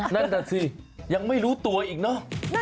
นั่นน่ะสิยังไม่รู้ตัวอีกเนอะ